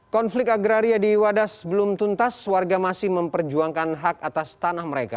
konflik agraria di wadas belum tuntas warga masih memperjuangkan hak atas tanah mereka